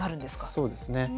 そうですね。